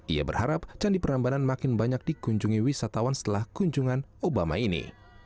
ia berharap candi perambanan makin banyak dikunjungi wisatawan setelah kunjungan obama ini